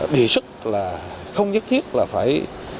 đề xuất là không nhất thiết là phải